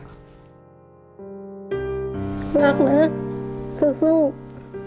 ลูกลูกสู้